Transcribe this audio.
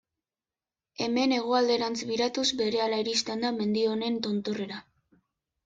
Hemen, hegoalderantz biratuz, berehala iristen da mendi honen tontorrera.